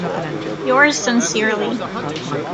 Yours sincerely.